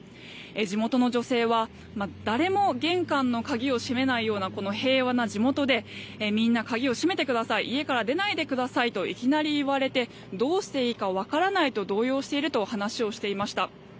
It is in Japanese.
地元の女性は誰も玄関の鍵を閉めないようなこの平和な地元でみんな鍵を閉めてください家から出ないでくださいといきなり言われてどうしていいか分からないと動揺していると話をしていました。